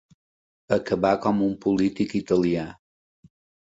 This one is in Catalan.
Acabar com un polític italià.